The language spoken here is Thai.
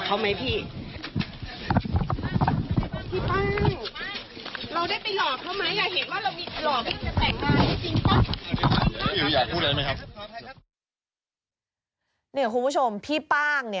คุณผู้ชมพี่ป้าง